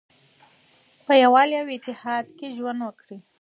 په یووالي او اتحاد کې ژوند وکړئ.